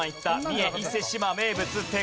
三重伊勢志摩名物。